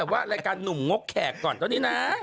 รายการหนุ่มงบแขกก่อนตอนนี้นะ